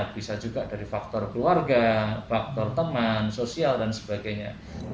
bisa juga dari faktor keluarga faktor teman sosial dan sebagainya